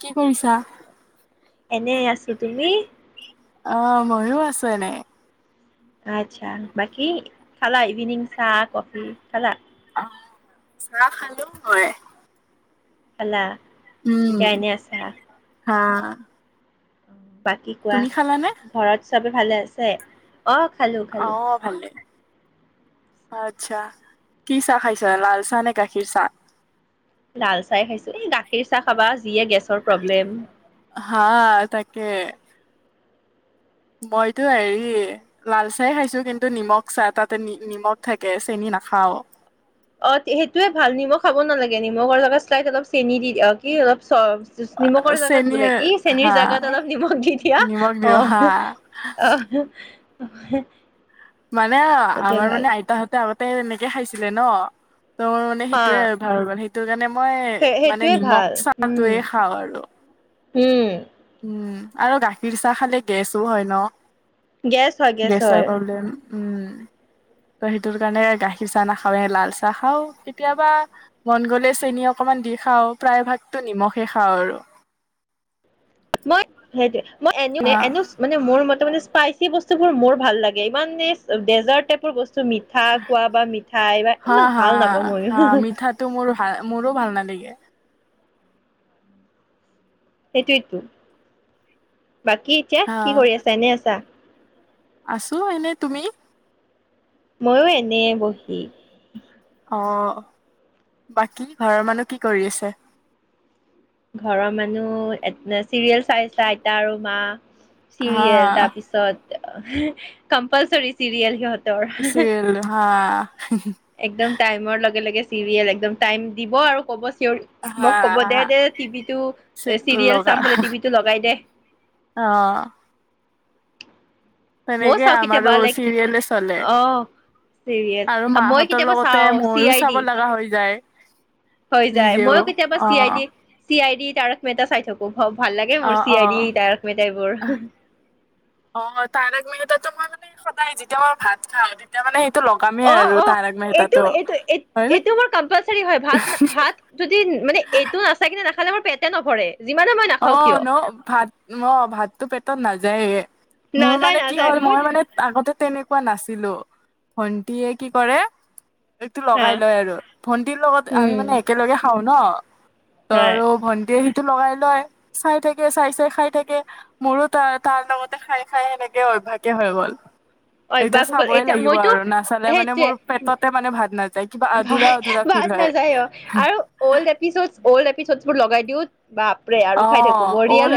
কি কৰিছা? এনে আছো, তুমি? অ', মইও আছো এনে। আচ্ছা, বাকী খালা, ইভিনিং চাহ, কফি খালা? চাহ খালো হয়। খালা। এতিয়া এনেই আছা। হা। [inaudible] বাকী কোৱা, তুমি খালানে? ঘৰত চবেই ভালে আছে? অ', খালোঁ খালোঁ। আচ্চা, কি চাহ খাইছা, লাল চাহ নে গাখীৰ চাহ? লাল চাহে খাইছো, এই গাখীৰ চাহ খাবা যিয়ে গেছৰ প্ৰব্লেম। হা [unintelligible] মইতো হেৰি লাল চাহ খাইছো কিন্তু, নিমখ চাহ তাতে নিমখ থাকে চেনি নাখাও। অ তে- সেইটোয়ে ভাল নিমখ লগত তাইক, অলপ চেনি দি দিয়ক, কি অলপ [unintelligible] নিমখৰ জেগাত চেনি বোলে কি, চেনীৰ হা জেগাত অলপ নিমখ দি দিয়া, নিমখ দিওঁ আহ, হা আহ। অহে মানে, আমাৰ মানে আইতাহঁতে আগত তে এনেকে খাইছিলে ন। ত আমাৰ মানে হা সেইটোৱে আৰু ভাল মানে সেইটো কাৰণে, মই সেই- মানে সেইটোৱে নিমখ ভাল উম চাহটোৱে খাওঁ আৰু। উম। উম আৰু গাখীৰ চাহ খালে গেছো হয় ন। গেছ হয়, গেছ গেছৰ হয়। প্ৰব্লেম উম তো সেইটোৰ কাৰণে গাখীৰ চাহ নাখাওেই, লাল চাহ খাও, কেতিয়াবা মন গ'লে চেনি অকমান দি খাও, প্ৰায় ভাগতো নিমখে খাও আৰু। মই সেইটোৱে। মই [unintelligible] হা মানে, মোৰ মত ত', মানে, স্পাইচি বস্তুবোৰ মোৰ ভাল লাগে ইমান, এই ডেজাৰ্ট টাইপৰ বস্তু মিঠা খোৱা বা মিঠাই, হা ইমান হা ভাল নাপাও, হা মইও মিঠাটো মোৰ ভাল মোৰো ভাল নালাগে সেইটোৱেই তো বাকী, এতিয়া হা কি কৰি আছা, এনে আছা আছো এনে, তুমি? মইয়ো এনে বহি অ', বাকী ঘৰৰ মানুহ কি কৰি আছে? ঘৰৰ মানুহ চিৰিয়েল চাইছে, আইতা আৰু মা চিৰিয়েল, তাৰপিছত কম্পালচৰী চিৰিয়েল, সিহঁ চিৰিয়েল হা একদম টাইমৰ লগে-লগে চিৰিয়েল, একদম টাইম দিব, আৰু ক'ব হা মোক ক'ব, দে, হা দে টিভিটো, চি চিৰিয়েল লগা চাবলৈ, টিভিটো লগাই দে অ ময়ও তেনেকে, চাওঁ আমাৰো কেতিয়াবা লাইক চিৰিয়েলে চলে, আহ চিৰিয়েল আৰু মই মাহঁতৰ কেতিয়াবা লগতে চাও চি ময়ো আই ডি চাব লগা হৈ যায় হৈ যায়, নিজেও ময়ো কেতিয়াবা অ C I D, C I D Tarak Mehta চাই থাকো অ', ভাল লাগে অ মোৰ C uh I D, Tarak Mehta, এইবোৰ অ', তাৰক মেহতাটো মই মানে সদায় যেতিয়া মই ভাত খাওঁ, তেতিয়া মানে লগামেই অ', আৰু -অ' তাৰক মেহতাটো হয় ন এইটো-এইটো-এইটো মোৰ কম্পালচৰী হয়। ভাত-ভাত, যদি মানে এইটো নাথাকিলে, নাখা খালে, মোৰ পেটে নভৰে যিমানে মই নাখাওঁ অ', কিয় ন' ভাত অ', ভাততো পেটত নাযা যায় মোৰ, নাযায় মানে, কি নাযায় হ'ল, মই মানে আগতে তেনেকুৱা নাছিলো, ভণ্টিয়ে কি কৰে? এইটো হা লগাই লয় আৰু, ভণ্টিৰ লগত আমি উম মানে একেলগে খাও ন? ত', হয় আৰু ভণ্টিয়ে টো লগাই লয়। চাই থাকে, চাই চাই খাই থাকে, মোৰো, তাৰ তাৰ লগতে খাই খাই, সেনেকে অভ্যাসেই হৈ গ'ল। এতিয়া অভ্যাস হ'ল, চাবই এতিয়া লাগিব মইতো আৰু নাচালে মানে সেইটোৱে, মোৰ পেটতে মানে ভাত নাযায় কিবা আধুৰা আধুৰা ফিল ভা-ভাত হয় নাযায়, অ', আৰু অল্ড এপিছডছ, অল্ড এপিছডছ বোৰ লগাই দিওঁ। অ', অল,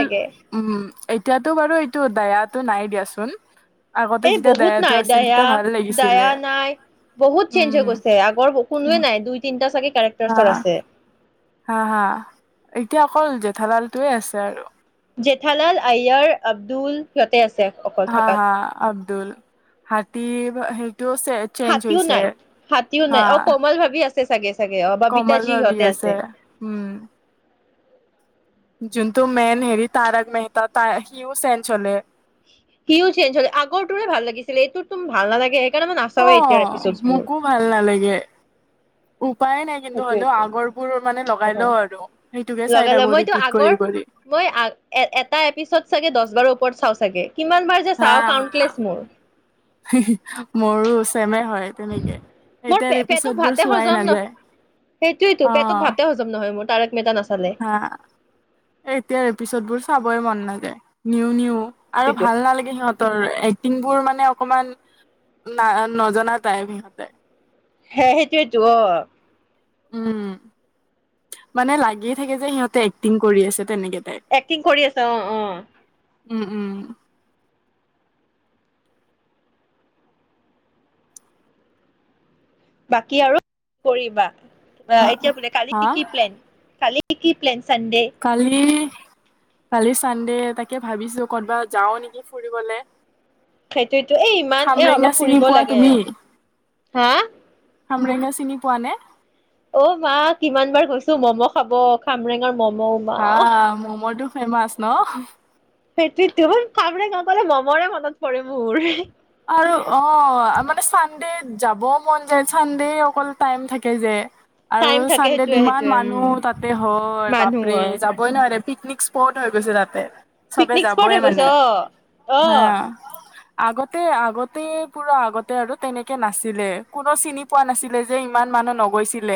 উম এতিয়াতো বাৰু এইটো দায়াটো নাই দিয়াচোন। আগতে এ যেতিয়া বহুত দায়াটো নাই, আছিল তেতিয়া দায়া, ভাল লাগিছিলে দায়া নাই, বহুত চেঞ্জ হৈ উম গৈছে। আগৰ কোনোৱে নাই, দুই তিনটা চাগে কেৰেক্টাৰ্চৰ অ', আছে হা, হা। এতিয়া অকল য ধাবালটো আছে আৰু। জেঠালাল, আয়াৰ, আব্দুল, ফটেচ হ, হ, আব্দুল। হাথি [inaudible] হাতীও নাই, হাতীও হা নাই। আও কোমল ভাবি আছ ছে ছাগে। চাগে, অ কমল ববিতাজি ভাবি সিহঁতে আছে। উম যোনটো মেইন হেৰি, তাৰক মেহতা, তাৰ, সিও চেঞ্জ হলে। সিও চেঞ্জ হলে, আগৰটোহে ভাল লাগিছিলে, এইটোত [unintelligible] ভাল নালাগে, এক অ' মোকো ভাল নালাগে। উম। সেইতো এ লগাই তো লও আৰু সেইটোকে চাই লগাই লও থাকো মইতো ৰিপিট কৰি আগৰ কৰি মই আগ এ এটা এপিচৰ্ডছ চাগে দশ বাৰৰ ওপ। ওপৰত চাওঁ চাগে। কিমান বাৰ যে চাও কাউণ্টলেছ মোৰ। হি হি। মোৰো চেমে হয় তেনেকে মোৰ পে এতিয়াৰ পেটত এপিচৰ্ডছ বোৰ ভাতে চোৱাই হজম ন নাযায় অ'। মেতানাচ। হা এ এতিয়াৰ এপিচৰ্ডছ বোৰ। চাবই মন নাযায় নিউ- নিউ। আৰু সেইটোৱেতো ভাল নালাগে সিহঁতৰ। এক্টিং বোৰ মানে অকমান না নজনা টাইপ সিহঁতে। হে সেইটোৱেইটো অ' উম মানে লাগিয়ে থাকে যে সিহঁতে এক্টিং কৰি আছে। তেনেকে টাইপ এক্টিং কৰি আছে অ' অ'। উম- উম। বাকী আৰু কৰিবা। অহ এতিয়া বোলে কালি হা কি প্লেন কালি। কি-কি প্লেন? চানডে কালি। কালি চানডে তাকে ভাবিছো কৰ'বাত যাও নেকি ফুৰিবলে। সেইটোৱেইতো এই ইমান অ' খামৰেঙা অলপ চিনি ফুৰিব পোৱা লাগে তুমি হা খামৰেঙা চিনি পোৱা নে? অহ মা কিমান বাৰ গৈছো ম'ম' খাব খামৰেঙৰ ম'ম হা মা ম'মটো ফেমাছ ন'। সেইটোৱেটো খামৰেনগা গ'লে ম'মলে মনত পৰে মোৰ। আৰু অহ মানে চানডে যাব মন যায়, চানডে অকল টাইম থাকে যে। আৰু টাইম থাকে চানডেত সেইটোয়ে ইমান সেইটোয়ে উম মানুহ তাতে হয় বাপৰে মানুহৰ যাবই নোৱাৰে। পিকনিক স্পট হৈ গৈছে তাতে। চবে পিকনিক স্পট যাবই হৈ গৈছ, মানে অহ, অহ। আগত আগতে পুৰা আগতে আৰু তেনেকে নাছিলে কোনো চিনি পোৱা নাছিলে যে ইমান মানুহ নগৈছিলে।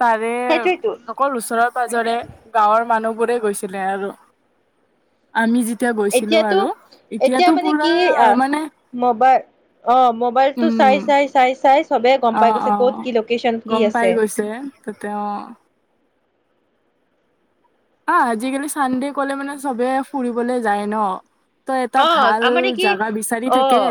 তাৰে সেইটোয়েতো অকল ওচৰত পাজৰে গাঁৱৰ মানুহ বোৰে গৈছিলে আৰু আমি যি এতিয়া গৈছিলো এতিয়াতো আৰু এতিয়াতো পুৰা মানে মবা অহ মোবাইলটো উম চাই-চাই-চাই-চাই চবে গম পাই অ', গৈছে ক'ত কি লোকেচন কি আছে। তেতিয়া আহ আজিকালি চানডে কলে মানে চবে ফুৰিবলে যায় ন'। তই এটা অ ভাল আমাৰ মানে কি জাগা বিচাৰি অ থাকে।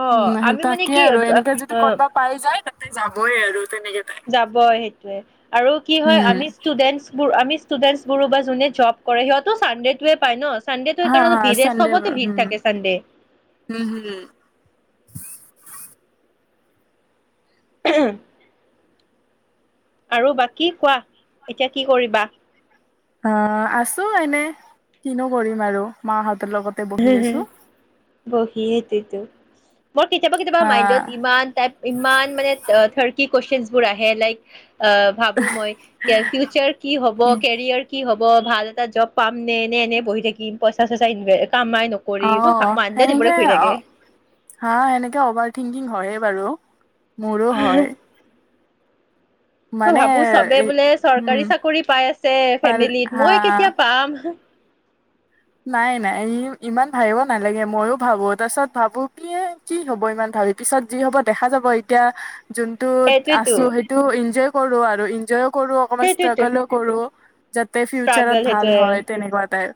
অ উম, আমি মানে তাকে কি আৰু এনেকে যদি অ কৰ'বা পাই যায় যাবই আৰু। তেনেকে তাই। যাব সেইটোয়ে আৰু কি হয়, উম, আমি ষ্টুডেন্টছ বোৰ আমি ষ্টুডেণ্টছবোৰো বা জোনে জব কৰে সিহঁতেও চানডেটোৱে পায় ন চানডেটো হা সেইকাৰণে হা অলপ ভিৰে চানডে বাৰ চবতে ভিৰ উম, থাকে চানডে। হম হম। [unintelligible] আৰু বাকী কোৱা এতিয়া কি কৰিবা? অ', আছো এনে, কিনো কৰিম আৰু মাহত হম, হম বহিয়ে তিতো। মোৰ কেতিয়াবা, কেতিয়াবা হা মাইণ্ডত ইমান টাইপ ইমান মানে থাৰ কি কুৱেশ্যনছবোৰ বোৰ আহে লাইক আহ ভাবো মই ফিউচাৰ কি হ'ব, কেৰিয়াৰ কি হ'ব ব ভাল এটা জব পাম নে, নে এনে বহি থাকিম পইচা-চইচা ইনভে [unintelligible] মোৰ অহ মাইণ্ডত এইবোৰে সেনেকে ঘূৰি অহ থাকে হা সেনেকে অভাৰ থিংকিং হয়েই। বাৰু। মোৰো হয়। মই মানে ভাবো চবে এ বোলে উম চৰকাৰী চাকৰি পাই আছে, পাল ফেমিলিত হা মই কেতিয়া পাম? নাই-নাই ই ইমান ভাবিব নালাগে। ময়ো ভাবো তাৰপিছত ভাবো কি-কি হব ইমান ভাবি। পিছত যি হব দেখা যাব এতিয়া। যোনটোত সেইটোৱেতো আছোঁ সেইটো এনজয়। কৰো আৰু এনজয়। কৰো, অকমান সেইটোৱেতো ষ্ট্ৰাগলো কৰো। টে ফিউচাৰত ষ্ট্ৰাগল ভাল হয় তেনেকুৱা টাইপ।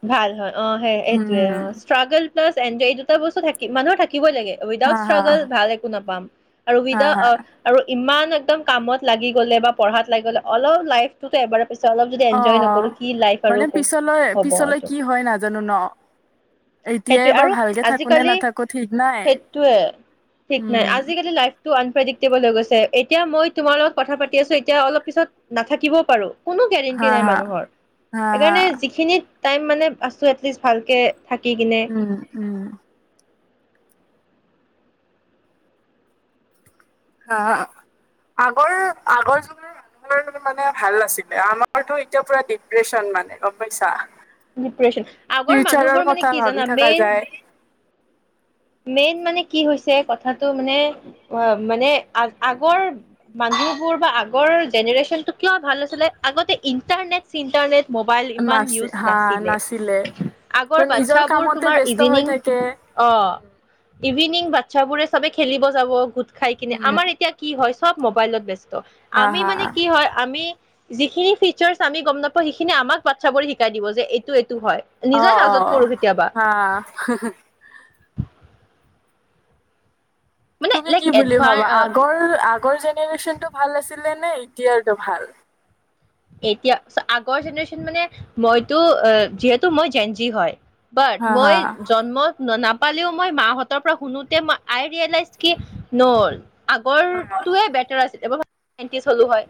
সেএইটোৱে অ উম ষ্ট্ৰাগল। এনজয় এই দুটা বস্তু থাক মানুহ থাকে। থাকিবই লাগে হা উইডাওদ হা ষ্টাগোল ভাল একো নাপাম আৰু হা উইডাওদ হা আৰু ইমান। কিন্তু একদম কামত লাগি গলে বা পঢ়াত লাগি গলে অলপ লাইফটোতো এবাৰে। পিছে অলপ যদি এনজয় নকৰো। অ' কি লাইফ আৰু মানে ক হ'ব পিছলৈ-পিছলৈ এইটো কি হয় নাজানো ন? এতিয়াই সেইটোৱে বা আৰু ভালকে থাকো নে আজিকালি নাথাকো ঠিক নাই সেইটোৱে ঠিক নাই। উম আজিকালি লাইফ। টো আনপ্ৰেডিক্টেবল হৈ গৈছে। এতিয়া মই তোমাৰ লগত কথা পাতি আছোঁ। এতিয়া অলপ পিছত নাথাকিবও পাৰোঁ। কোনো হা গেৰেণ্টি নাই হা মানুহৰ। হা সেইকাৰণে হা যিখিনিত। টাইম মানে আছোঁ এটলিচ ভালকে থাকি। কিনে উম-উম। হা আ আগৰ-আগৰ যুগৰ মানুহ মানে ভাল আছিলে। আমাৰতো এতিয়া পুৰা ডিপ্ৰেচন মানে গম পাইছা। ডিপ্ৰে্চন আগৰ ফিউচাৰৰ মানুহবোৰ মানে কথা কি ভাবি জানা থকা মেইন। যায় মেইন মানে কি হৈছে কথাটো মানে। অ উম মানে আ আগৰ মানুহবোৰ বা আগৰ জেনেৰেশ্যন টো কিয় ভাল আছিলে। আগতে ইণ্টাৰনেট চিটাৰনেট। মোবাইল ইমান নাচি ইউজ হা নাছিলে। আগৰ ত' নিজৰ বাচ্ছাবোৰ কামতে তোমাৰ ব্যস্ত হৈ ইভিনিং থাকে। অ', ইভিনিং বাচ্ছাবোৰে সবে খেলিব যাব। খাই কিনে উম। আমাৰ এতিয়া কি হয়। চব মোবাইলত ব্যস্ত। হা আমি হা মানে কি হয় আমি। যিখিনি ফিচাৰ্চ আমি গমাপাওঁ সেইখিনি আমাক বাচ্ছা বোৰে শিকাই দিব যে এইটো। হয় নিজৰ অহ লাজত অহ ঋ পৰো কেতিয়াবা হা আ হে হে [unintelligible] মানে তুমি লাইক কি বুলি এডভান ভাবা? আগৰ আগৰ যে জেনেৰেশ্যনটো ভাল আছিলে নে এতিয়াৰ টো ভাল। এতিয়া আগৰ জেনেৰেশ্যন মানে মইতো যিহেতু মই জেনজি হয়। বাট হা হা মই জন্মত ন নাপ পালেও মই মাহঁতৰ পৰা শুনোতে মই আই ৰিয়েলাইজ কি নল আগৰটোৱে বেটাৰ আছিল [unintelligible] এন্টিছ হলোঁ হয়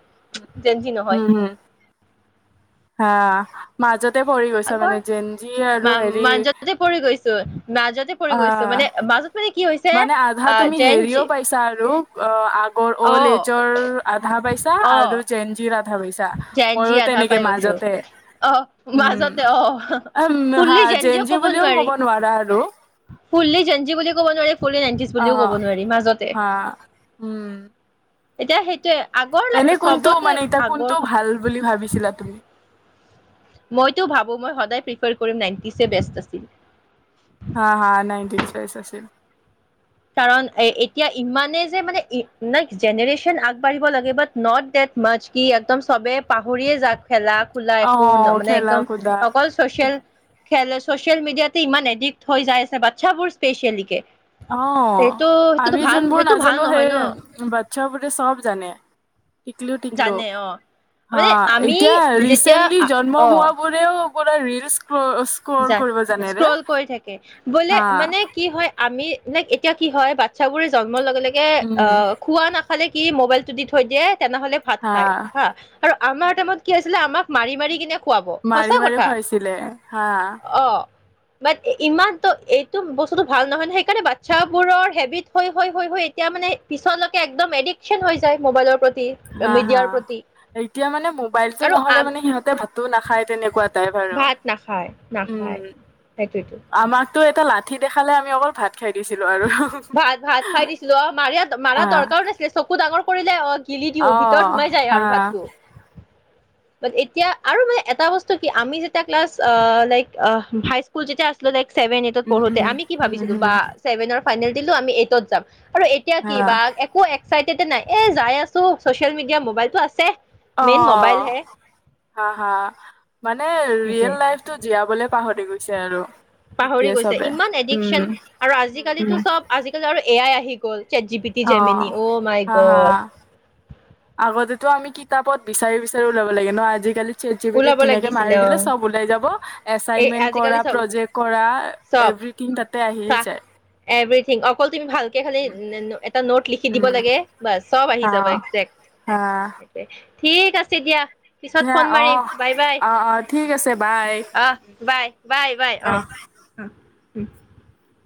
জেন জি নহয় উম হম হা মাজত আগৰ মা হেৰি মাজতে পৰি গৈছো নাজতে পৰি অ গৈছো মাজত মানে কি হৈছে মানে আধা আহ তুমি জেন জি হেৰিও পাইছা আৰু অ আক অৰ অ অল্ড এজৰ আধা পাইচা আৰু জেনজি জেঞ্জি আধা পাই গৈছো মাজতে অহ উম মাজতে অ উম হা ফুললি জেঞ্জিয় জেনজি কব বুলিও নোৱাৰি নোৱাৰা আৰু ফুল্লি জেঞ্জি বুলি কব নোৱাৰি ফুললি জেনজিছ অ বুলিও ক'ব নোৱাৰি মাজতে হা উম এতিয়া সেইটোয়ে আগৰ লে এনে কোনটো চবতে মানে এতিয়া আগৰ কোনটো ভাল বুলি ভাবিছিলা তুমি। মইটো ভাবো মই সদায় প্ৰিপাৰ কৰিম নাইনটি বেষ্ট আছিল হা হা নাইনটিন চাইছ আছিল কাৰণ এ এতিয়া ইমানে যে মানে নেক্স জেনেৰেশ্যন আগবাঢ়িব লাগে বাট নট ডেট মাচ কি এক খেলা খোলা অ একো ন মানে খেলা একদম কুদা অকল চচিয়েল খেল, চচিয়েল মিডিয়াতে ইমান এডিক্ট হৈ যাই আছে বাতচ্ছাবোৰ স্পেচিয়েলি কে অ আমি যোনবোৰ ভাল নাজানো নহয় ন সেয়ে বাতচ্ছা বোৰে চব জানে, টিকলু টিকলু জানে অ হা মানে আমি এতিয়া যেতিয়া ৰিচেণ্টলি জন্ম অ হোৱা বোৰেও [unintelligible] স্ক্ৰল যা কৰিব জানেৰে স্ক্ৰল কৰি থাকে বোলে হা মানে কি হয় আমি নে এতিয়া কি হয় বাতচ্ছাবোৰে জ ন্ম হোৱাৰ লগে লগে অ উম খোৱা না খালে কি মোবাইলটো দি থৈ দিয়ে। তেনেহলে ভাত হা খাই হা আৰু আমাৰ টাইমত কি আ আছিলে আমাক মাৰি মাৰি কিনে মাৰি মাৰি খুৱাইছিলে। হা অহ! বাট ইমানটো এইটো বস্তুটো ভাল নহয় ন সেইকাৰণে বাচ্ছাবোৰৰ হেবিত হৈ হৈ এতিয়া মানে পিছলৈকে একদম এডিকচন হৈ যায় মবাইলৰ প হা হা এতিয়া মানে মোবাইলতটো আৰু নহলে আ মানে সিহঁতে ভাত একো নাখায়, তেনেকুৱা তাই বাৰু। ভাত নাখায় নাখায় উম। সেইটোৱেতো আমাক ত, এটা লাঠি দেখালে আমি অকল ভাত খাই দিছিলো আৰু ভাত, ভাত খাই দিছিলো আৰু, মাৰেই, হা মাৰা দৰকাৰও নাছিলে, চকু ডাঙৰ কৰিলে হ'ল। গিলি দিওঁ, অ ভিতৰত সোমাই যায় হা আৰু ভাতটো। [unintelligible] এতিয়া আৰু এটা বস্তু কি, আমি যেতিয়া ক্লাছ অ', লাইক অ', হাইস্কুল যেতিয়া আছিলো লাইক ছেভেন, এইটত উম পঢ়োঁতে, উম আমি কি উম ভাবিছিলোঁ, বা হম ছেভেনৰ ফাইনেল দিলোঁ, আমি এইটত যাম। আৰু, এতিয়া কি, হা বা একো একচাইট তেতিয়া নাই। এ যাই আছো, চচিয়েল মিডিয়া মোবাইলটো আছে। মেইন মোবাইল হে। অ হা, হা। মানে, সেইটোৱে ৰিয়েল লাইফ টো জীয়াবলৈ পাহৰি গৈ চলৌ পাহৰি গৈছে, ইমান এডিকচন, আৰু উম আজিকালিটো চব, আজিকালি আৰু এ আই আহি গ'ল। চেটজিপিটি, অ জেমিনি, অ' মাই হা গ'ড ত', আমি কিতাপত বিচাৰি, বিচাৰি উলিয়াবলৈ লাগে ন। আজিকালি চেটজিপিটিত ওলাব ধুনীয়াকে লাগিছিলে মাৰি অ' দিলে চব ওলাই যাব, এ এচাইনমেন্ট আজিকালি কৰা, চব প্ৰজেক্ট কৰা, চব এভৰিথিং তাতে আহি চা যায়। [unintelligible] অকল তুমি ভালকে খালি, এটা নোট লিখি দিব উম লাগে, বচ, চব আহি অ যাব একজেক্ট। সেইটোৱেই। ঠিক আছে দিয়া। পিছত হা ফোন অ, মাৰিম। বাই বাই অ ঠিক আছে, বাই। আহ উম, বাই বাই বাই অ'। [unintelligible]